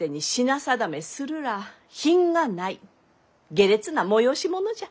下劣な催し物じゃ。